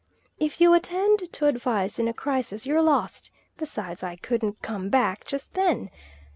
If you attend to advice in a crisis you're lost; besides, I couldn't "Come back" just then.